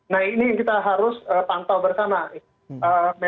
nah ini yang kita harus pantau bersama